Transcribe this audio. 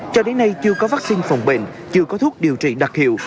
cho đến nay chưa có vắc xin phòng bệnh chưa có thuốc điều trị đặc hiệu